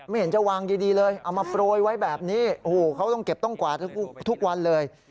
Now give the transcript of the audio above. เห็นจะวางดีเลยเอามาโปรยไว้แบบนี้โอ้โหเขาต้องเก็บต้องกวาดทุกวันเลย